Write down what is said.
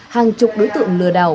hàng chục đối tượng lừa đảo